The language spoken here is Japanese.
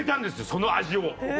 その味を。